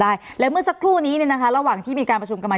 ได้และเมื่อสักครู่นี้เนี่ยนะคะระหว่างที่มีการประชุมกันมา